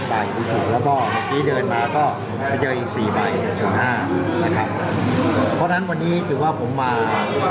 แล้วตอนนี้เดินมาก็จะเจออีก๔ใบ๐๕นะครับเพราะงั้นวันนี้ถือว่าผมมา